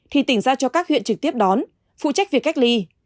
thì tỉnh ra cho các huyện trực tiếp đón phụ trách việc cách ly